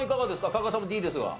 加賀さんもＤですが。